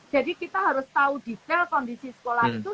jadi kita harus tahu detail kondisi sekolah itu